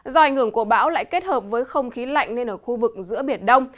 do ảnh hưởng của bão lại kết hợp với không khí lạnh nên ở khu vực giữa biển đông